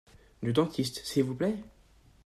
Le dentiste, s’il vous plaît ?